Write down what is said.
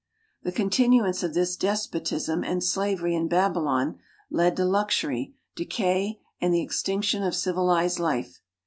The continuance of this despotism and slavery in Babylon led to luxury, decay, and the extinction of civilized life.